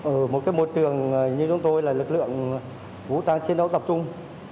ở một môi trường như chúng tôi là lực lượng vũ trang chiến đấu tập trung